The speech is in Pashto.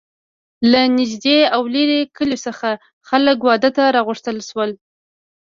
له نږدې او لرې کلیو څخه خلک واده ته را وغوښتل شول.